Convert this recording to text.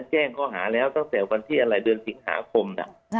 แจ้งข้อหาแล้วตั้งแต่วันที่อะไรเดือนสิงหาคม